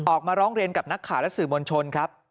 ออกมาร้องเรียนกับนักข่าวและสื่อมวลชนครับ